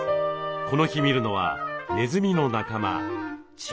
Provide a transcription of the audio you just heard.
この日診るのはネズミの仲間チンチラ。